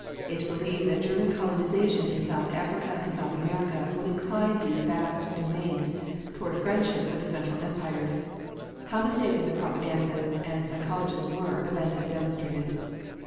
It believed that German colonization in South Africa and South America would incline these vast domains toward friendship for the Central empires. How mistaken the propagandists and psychologists were events have demonstrated.